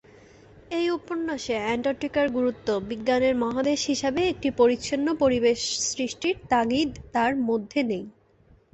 এই উপন্যাসে অ্যান্টার্কটিকার গুরুত্ব "বিজ্ঞানের মহাদেশ" হিসেবে, একটি পরিচ্ছন্ন পরিবেশ সৃষ্টির তাগিদ তার মধ্যে নেই।